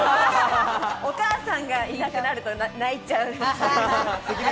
お母さんがいなくなると泣いちゃうみたいな。